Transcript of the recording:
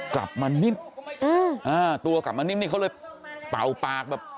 กลับมานิดอืมอ่าตัวกลับมานิ่มนี่เขาเลยเป่าปากแบบ